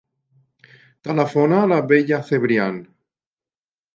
Telefona a la Bella Cebrian.